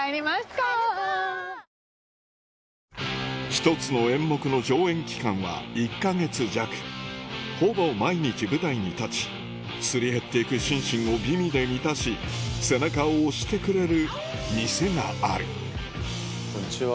１つの演目の上演期間は１か月弱ほぼ毎日舞台に立ちすり減っていく心身を美味で満たし背中を押してくれる店があるこんにちは。